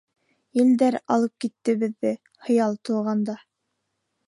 Елдәр алып китте беҙҙе Хыял тулғанда.